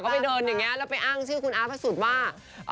อะก็ไปเดินอย่างเงี้ยแล้วไปอ้างชื่อคุณอาทธิ์ให้สุดว่า